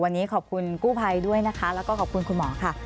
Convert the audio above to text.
วันนี้ขอบคุณกู้ภัยด้วยนะคะแล้วก็ขอบคุณคุณหมอค่ะ